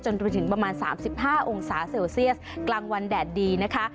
จนถึงประมาณ๓๕องศาเซลเซียสกลางวันแดดดีนะคะ